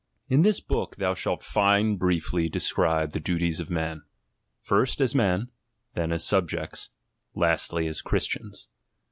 In this book thou shalt find briefly described the duties of men : first, as men ; then as subjects ; lastly, as Christians.